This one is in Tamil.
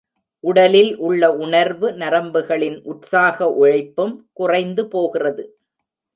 உடலில் உள்ள உணர்வு நரம்புகளின் உற்சாக உழைப்பும் குறைந்து போகிறது.